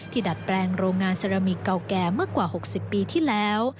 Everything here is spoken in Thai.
ดัดแปลงโรงงานเซรามิกเก่าแก่เมื่อกว่า๖๐ปีที่แล้ว